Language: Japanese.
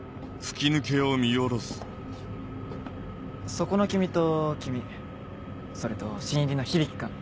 そこの君と君それと新入りの響君。